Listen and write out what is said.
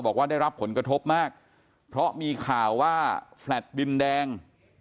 บอกว่าได้รับผลกระทบมากเพราะมีข่าวว่าแฟลต์ดินแดง